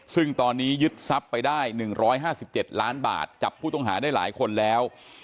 ซึ่งตอนนี้ยึดทรัพย์ไปได้๑๕๗ล้านบาทจับผู้ต้องหาได้หลายคนแล้ว